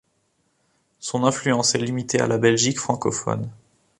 Son influence est limitée à la Belgique francophone.